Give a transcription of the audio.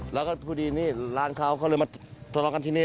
แล้วก็พอดีนี่ร้านเขาเขาเลยมาทะเลาะกันที่นี่